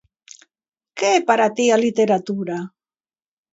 Que é para ti a literatura?